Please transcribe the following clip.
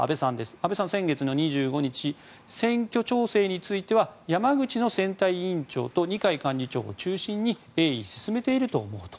安倍さんは先月の２５日選挙調整については山口の選対委員長と二階幹事長を中心に鋭意進めていると思うと。